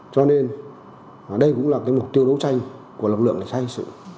cho nên đây cũng là mục tiêu đấu tranh của lực lượng để thay sự